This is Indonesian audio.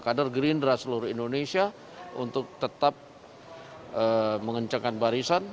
kader gerindra seluruh indonesia untuk tetap mengencangkan barisan